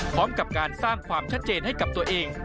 พร้อมกับการสร้างความชัดเจนให้กับตัวเอง